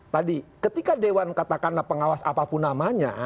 tadi ketika dewan katakanlah pengawas apapun namanya